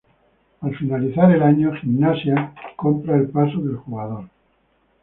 Al finalizar el año, Gimnasia compra el pase del jugador.